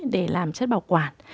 để làm chất bảo quản